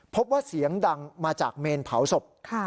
พบว่าเสียงดังมาจากเมนเผาศพ